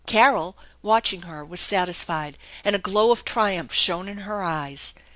Carol, watching her, was satisfied, and a glow of triumph shone in her eyes.